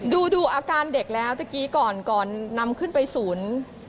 ดูอาการเด็กแล้วตะกี้ก่อนนำขึ้นไปศูนย์